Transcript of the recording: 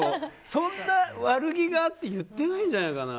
そんな悪気があって言ってないんじゃないかな。